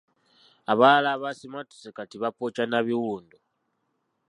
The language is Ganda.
Abalala abasimattuse kati bapookya n'abiwundu.